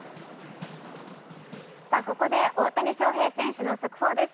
ここで大谷翔平選手の速報です。